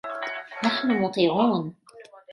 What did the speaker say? نحن مطيعون.